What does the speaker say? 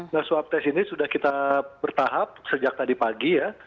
nah swab test ini sudah kita bertahap sejak tadi pagi ya